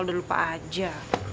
udah lupa aja